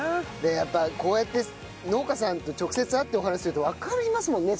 やっぱこうやって農家さんと直接会ってお話しするとわかりますもんね